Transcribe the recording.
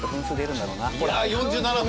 ４７分！